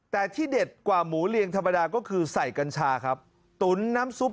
แต่ที่เด็ดกว่าหมูเรียงธรรมดาก็คือใส่กัญชาครับตุ๋นน้ำซุป